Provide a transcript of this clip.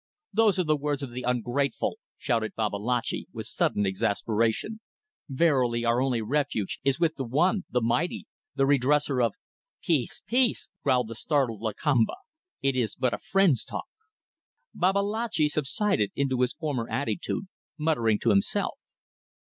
"Those are the words of the ungrateful!" shouted Babalatchi, with sudden exasperation. "Verily, our only refuge is with the One, the Mighty, the Redresser of ..." "Peace! Peace!" growled the startled Lakamba. "It is but a friend's talk." Babalatchi subsided into his former attitude, muttering to himself.